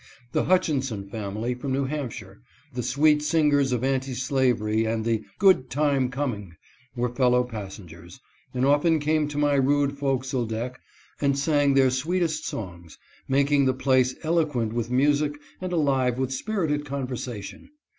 The Hutchinson family from New Hampshire — the sweet singers of anti slavery and the " good time coming "— were fellow passengers, and often came to my rude forecastle deck and sang their sweetest songs, making the place eloquent with music and alive with spirited conversation.